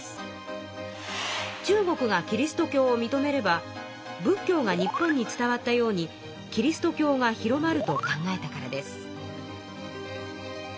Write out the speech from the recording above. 中国がキリスト教をみとめれば仏教が日本に伝わったようにキリスト教が広まると考えたからです。